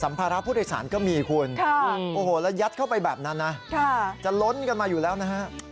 ภาระผู้โดยสารก็มีคุณโอ้โหแล้วยัดเข้าไปแบบนั้นนะจะล้นกันมาอยู่แล้วนะฮะ